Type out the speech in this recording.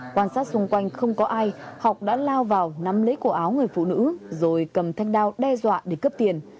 quan sát xung quanh không có ai học đã lao vào nắm lấy cổ áo người phụ nữ rồi cầm thanh đao đe dọa để cướp tiền